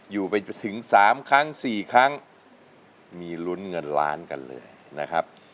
อยู่ไปจนถึง๓ครั้ง๔ครั้งมีลุ้นเงินล้านกันเลยนะครับ